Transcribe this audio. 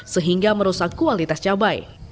sehingga merusak kualitas cabai